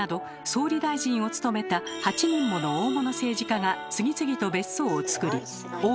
総理大臣を務めた８人もの大物政治家が次々と別荘を造り大磯は